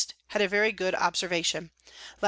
had a very good Observ. Lat.